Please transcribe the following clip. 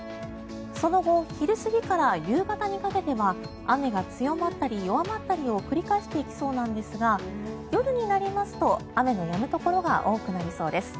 その後昼過ぎから夕方にかけては雨が強まったり弱まったりを繰り返していきそうなんですが夜になると雨のやむところが多くなりそうです。